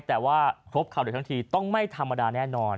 แต่ว่าครบข่าวเด็กทั้งทีต้องไม่ธรรมดาแน่นอน